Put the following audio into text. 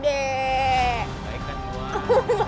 oh baik banget